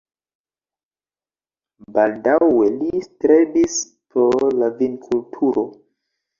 Baldaŭe li strebis por la vinkulturo.